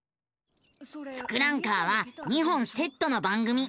「ツクランカー」は２本セットの番組。